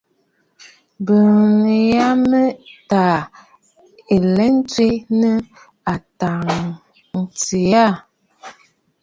Bìꞌinə̀ yə mə taa aɨ lɛ ntswe nɨ àtàŋəntɨɨ aà.